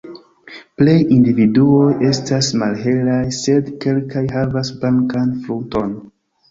Plej individuoj estas malhelaj, sed kelkaj havas blankan frunton.